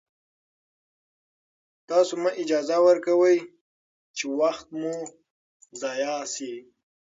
تاسو مه اجازه ورکوئ چې وخت مو ضایع شي.